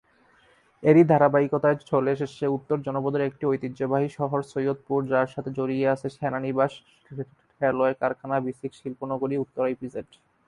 এরই ধারাবাহিকতায় চলে এসেছে উত্তর জনপদের একটি ঐতিহ্যবাহী শহর সৈয়দপুর, যার সাথে জড়িয়ে আছে সেনানিবাস, রেলওয়ে কারখানা, বিসিক শিল্পনগরী, উত্তরা ইপিজেড।